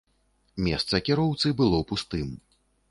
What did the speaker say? Месца кіроўцы было пустым.